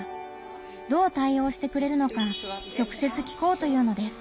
どう対応してくれるのか直接聞こうというのです。